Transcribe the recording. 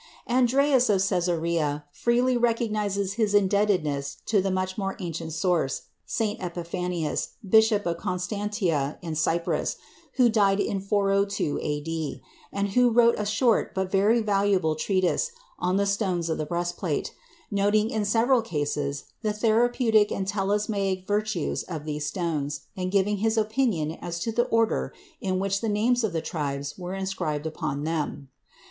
Andreas of Cæsarea freely recognizes his indebtedness to the much more ancient source, St. Epiphanius, bishop of Constantia in Cyprus, who died in 402 A.D., and who wrote a short but very valuable treatise on the stones of the breastplate, noting in several cases the therapeutic and talismanic virtues of these stones and giving his opinion as to the order in which the names of the tribes were inscribed upon them.